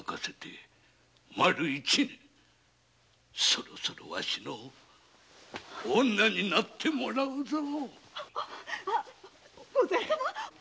そろそろわしの女になってもらうぞ。